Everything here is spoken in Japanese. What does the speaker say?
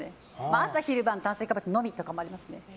朝昼晩炭水化物のみとかありますね。